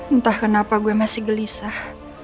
entah kenapa gue masih gelisah